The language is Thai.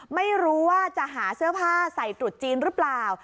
ไม่รู้ว่าจะหาเสื้อผ้าใส่ตรุษจีนหรือเปล่า